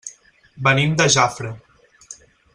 Venim de Jafre.